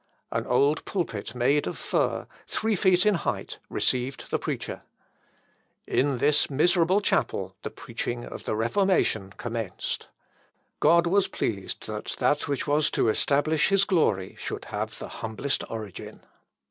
An old pulpit made of fir, three feet in height, received the preacher. In this miserable chapel the preaching of the Reformation commenced. God was pleased that that which was to establish his glory should have the humblest origin.